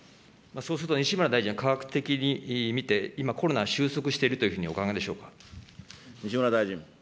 そうすると、西村大臣は科学的に見て、今コロナ収束しているというふうにお考えでしょうか。